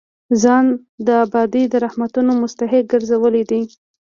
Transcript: ځان د ابدي رحمتونو مستحق ګرځول دي.